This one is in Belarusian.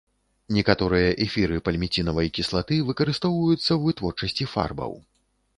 Некаторыя эфіры пальміцінавай кіслаты выкарыстоўваюцца ў вытворчасці фарбаў.